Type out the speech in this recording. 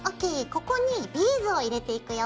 ここにビーズを入れていくよ。